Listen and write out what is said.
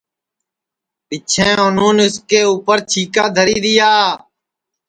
پیچھیں اُنون اُس کے اُپر چھیکا دھری دؔیا